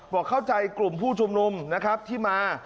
บอกเข้าใจกลุ่มผู้ชุมนุมนะครับที่มา